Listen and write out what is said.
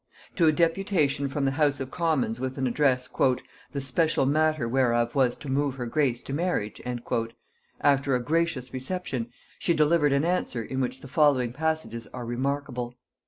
To a deputation from the house of commons with an address, "the special matter whereof was to move her grace to marriage," after a gracious reception, she delivered an answer in which the following passages are remarkable.